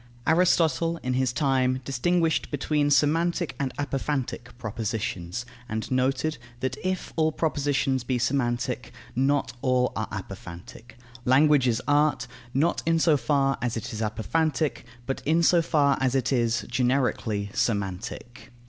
Aristotle, in his time, distinguished between semantic and apophantic propositions, and noted, that if all propositions be semantic, not all are apophantic. Language is art, not in so far as it is apophantic, but in so far as it is, generically, semantic.